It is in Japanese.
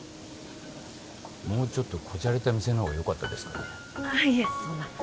もうちょっとこじゃれた店の方がよかったですかね